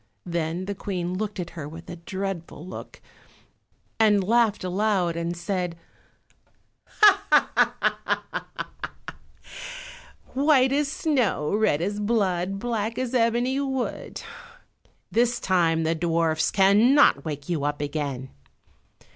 Then the Queen looked at her with a dreadful look, and laughed aloud and said, "White as snow, red as blood, black as ebony wood! this time the dwarfs cannot wake you up again."